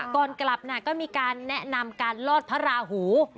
ก่อนกลับก็มีการแนะนำการลอดพระราหู